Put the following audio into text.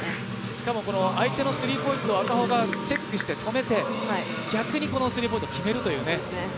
しかも相手のスリーポイントを赤穂がチェックして止めて、逆にスリーポイント決めるというね。